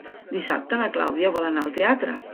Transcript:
Dissabte na Clàudia vol anar al teatre.